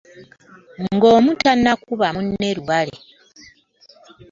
Ng’omu tannakuba munne lubale.